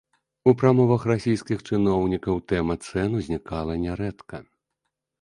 У прамовах расійскіх чыноўнікаў тэма цэн узнікала нярэдка.